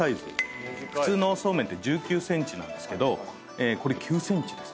普通のそうめんって１９ｃｍなんですけどこれ９ｃｍです。